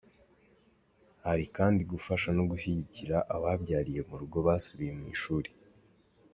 Hari kandi gufasha no gushyigikira ababyariye mu rugo basubiye mu ishuri.